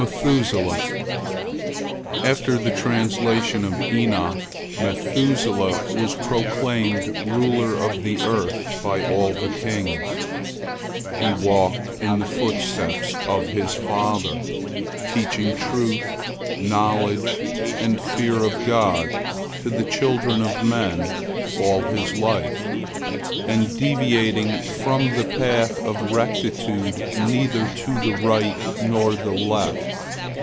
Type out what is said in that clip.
METHUSELAH After the translation of Enoch, Methuselah was proclaimed ruler of the earth by all the kings. He walked in the footsteps of his father, teaching truth, knowledge, and fear of God to the children of men all his life, and deviating from the path of rectitude neither to the right nor the left.